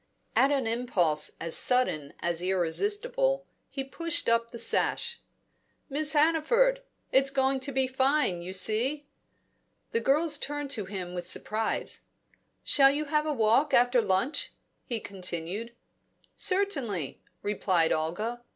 At an impulse as sudden as irresistible, he pushed up the sash. "Miss Hannaford! It's going to be fine, you see." The girls turned to him with surprise. "Shall you have a walk after lunch?" he continued. "Certainly," replied Olga.